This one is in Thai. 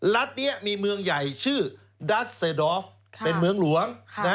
รัฐนี้มีเมืองใหญ่ชื่อดัสเซดอฟเป็นเมืองหลวง